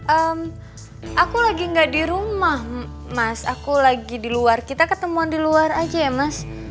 ehm aku lagi gak di rumah mas aku lagi di luar kita ketemuan di luar aja ya mas